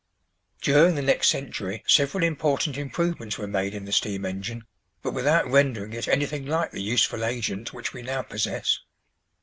During the next century several important improvements were made in the steam engine, but without rendering it anything like the useful agent which we now possess.